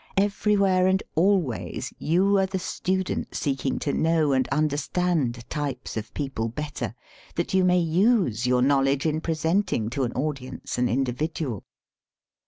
Everywhere and al ways you are the student seeking to know and understand types of people better, that you may use your knowledge in presenting to an audience an individual.